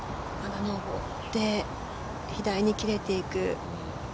上って左に切れていく。